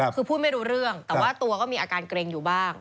คือพูดไม่รู้เรื่องแต่ว่าตัวก็มีอาการเกร็งอยู่บ้าง